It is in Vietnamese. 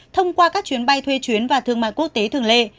thông qua các chuyến bay thuê chuyến và thương mại quốc tế thường lệ